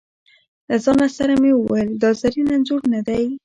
له ځانه سره مې وویل: دا زرین انځور نه دی.